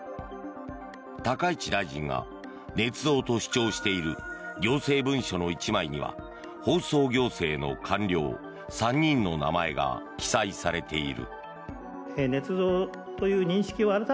高市大臣がねつ造と主張している行政文書の１枚には放送行政の官僚３人の名前が記載されている。